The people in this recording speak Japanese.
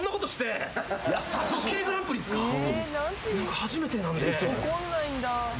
初めてなんで。